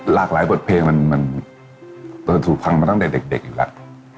หลากหลายบทเพลงมันเปิดสู่พังมาตั้งแต่เด็กอยู่แล้ว